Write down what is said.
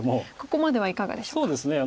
ここまではいかがでしょうか？